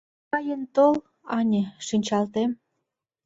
Каен тол, ане, шинчалтем.